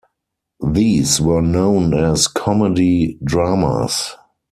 These were known as "comedy-dramas".